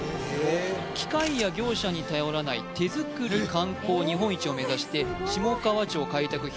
機械や業者に頼らない手作り観光日本一を目指して下川町開拓